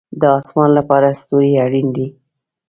د اسمان لپاره ستوري اړین دي